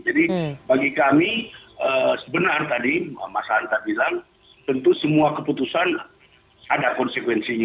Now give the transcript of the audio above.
jadi bagi kami sebenarnya tadi mas hanta bilang tentu semua keputusan ada konsekuensinya